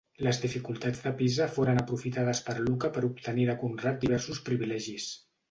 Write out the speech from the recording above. Les dificultats de Pisa foren aprofitades per Lucca per obtenir de Conrad diversos privilegis.